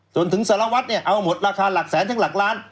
จนถึงสารวัตรเนี่ยเอาหมดราคาหลักแสนถึงหลักล้าน